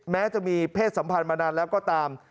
แม้จะมีเพศสัมพันธ์มานานแล้วก็ตาม